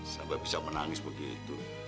sampai bisa menangis begitu